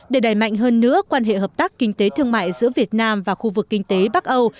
để đẩy mạnh hơn nữa quan hệ hợp tác kinh tế thương mại giữa việt nam và khu vực kinh tế bắc âu